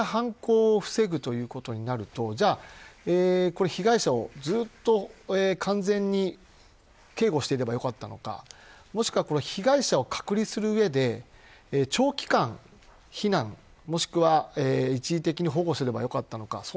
実際、こういった猟奇的犯行を防ぐということになると被害者をずっと完全に警護していればよかったのか、もしくは被害者を隔離する上で長期間、避難もしくは一時的に保護すればよかったのか。